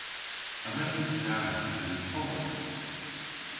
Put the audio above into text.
A wren ni kana y'n kowas?